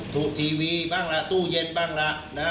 ตู้ทีวีบ้างล่ะตู้เย็นบ้างล่ะ